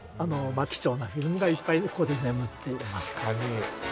貴重なフィルムがいっぱいここで眠っています。